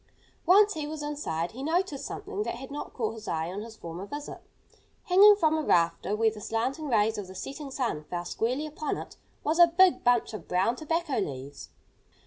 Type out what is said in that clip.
Once he was inside, he noticed something that had not caught his eye on his former visit. Hanging from a rafter, where the slanting rays of the setting sun fell squarely upon it, was a big bunch of brown tobacco leaves.